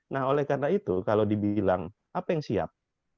nah oleh karena itu kalau dibilang apa yang siap